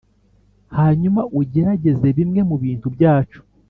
hanyuma ugerageze bimwe mubintu byacu